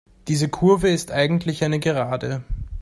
Diese Kurve ist eigentlich eine Gerade.